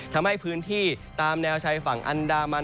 ทำให้พื้นที่ตามแนวชายฝั่งอันดามัน